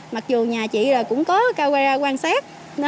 mặc dù nhà chị cũng có camera quan sát